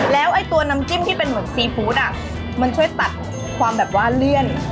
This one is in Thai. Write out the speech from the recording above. แล้วไอ้ตัวน้ำจิ้มที่เป็นเหมือนซีฟู้ดอ่ะมันช่วยตัดความแบบว่าเลี่ยน